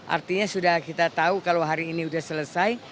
artinya sudah kita tahu kalau hari ini sudah selesai